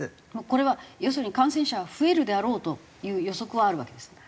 これは要するに感染者は増えるであろうという予測はあるわけですね。